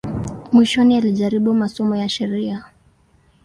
Mwishoni alijaribu masomo ya sheria.